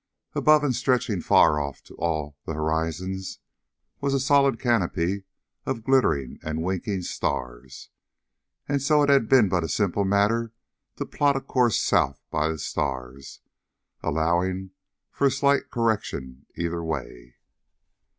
Above and stretching far off to all the horizons was a solid canopy of glittering and winking stars. And so it had been but a simple matter to plot a course south by the stars, allowing for a slight correction either way.